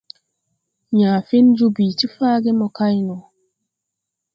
Yãã fen joo bìi ti faage mo kay no.